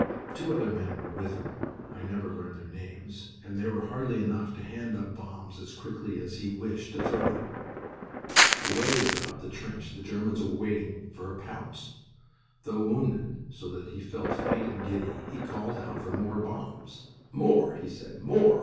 Two other men were with him I never learned their names and they were hardly enough to hand up bombs as quickly as he wished to throw them. Away there up the trench the Germans were waiting for a pounce. Though wounded so that he felt faint and giddy, he called out for more bombs. "More!" he said, "More!"